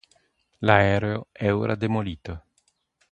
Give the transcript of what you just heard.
L'aereo è ora demolito.